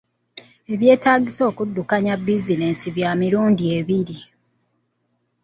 Ebyetaagisa okuddukanya bizinensi bya mirundi ebiri.